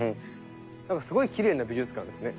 すごいきれいな美術館ですね。